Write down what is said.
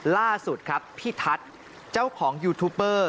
ล่าสุดครับพี่ทัศน์เจ้าของยูทูปเปอร์